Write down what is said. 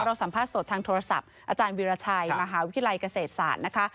สัมภาษณ์สดทางโทรศัพท์อาจารย์วิราชัยมหาวิทยาลัยเกษตรศาสตร์นะคะ